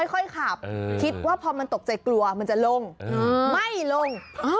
คิดว่าพอมันตกใจกลัวมันจะลงไม่ลง